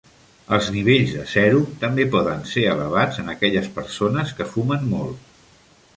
Els nivells de sèrum també poden ser elevats en aquelles persones que fumen molt.